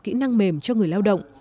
kỹ năng mềm cho người lao động